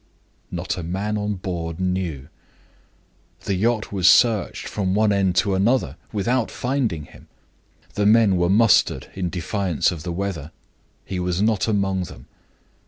Not a man on board knew. The yacht was searched from one end to another without finding him. The men were mustered in defiance of the weather he was not among them.